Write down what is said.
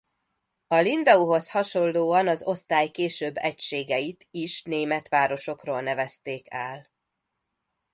A Lindauhoz hasonlóan az osztály később egységeit is német városokról nevezték el.